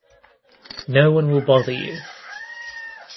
No one will bother you.